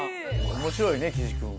面白いね岸君は。